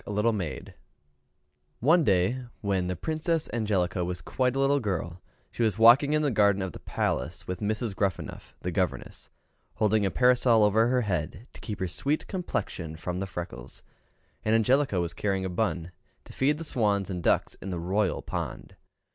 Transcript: One day, when the Princess Angelica was quite a little girl, she was walking in the garden of the palace, with Mrs. Gruffanuff, the governess, holding a parasol over her head, to keep her sweet complexion from the freckles, and Angelica was carrying a bun, to feed the swans and ducks in the royal pond.